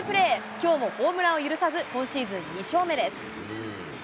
きょうもホームランを許さず、今シーズン２勝目です。